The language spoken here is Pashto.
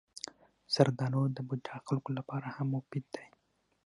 زردالو د بوډا خلکو لپاره هم مفید دی.